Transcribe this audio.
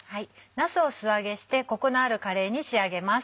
なすを素揚げしてコクのあるカレーに仕上げます。